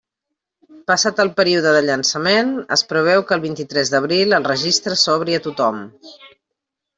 Passat el període de llançament, es preveu que el vint-i-tres d'abril, el registre s'obri a tothom.